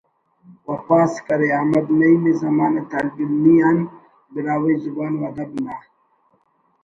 و پاس کرے احمد نعیم ءِ زمانہ طالب علمی آن براہوئی زبان و ادب نا